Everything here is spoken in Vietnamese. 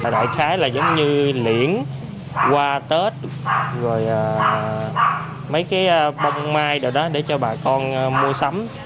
đại khái là giống như liễn qua tết rồi mấy cái bông mai rồi đó để cho bà con mua sắm